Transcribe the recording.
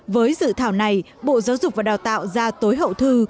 với dự thảo này bộ giáo dục và đào tạo ra tối hậu thư